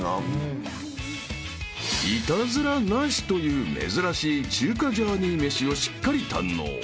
［イタズラなしという珍しい中華ジャーニー飯をしっかり堪能］